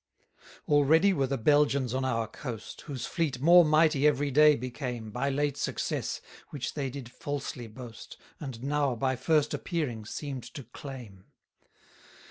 168 Already were the Belgians on our coast, Whose fleet more mighty every day became By late success, which they did falsely boast, And now by first appearing seem'd to claim.